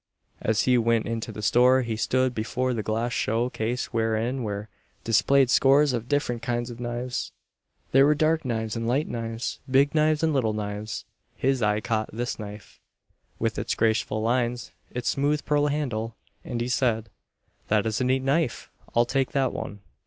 As he went into the store, he stood before the glass show case wherein were displayed scores of different kinds of knives. There were dark knives and light knives, big knives and little knives. His eye caught this knife, with its graceful lines, its smooth pearl handle, and he said, "That is a neat knife, I'll take that one."